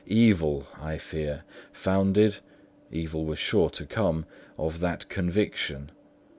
Evil, I fear, founded—evil was sure to come—of that connection.